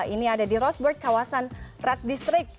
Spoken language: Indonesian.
ini ada di rosberg kawasan red district